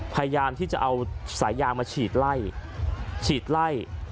พยายามที่จะเอาสายยางมาฉีดไล่